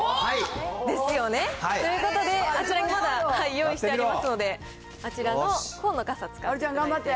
ですよね。ということで、あちらにまだ用意してありますので、あちらの紺の傘を使っていただいて。